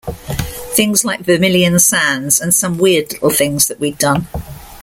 Things like 'Vermilion Sands' and some weird little things that we'd done.